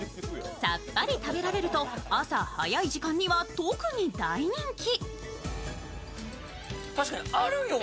さっぱり食べられると、朝早い時間には特に大人気。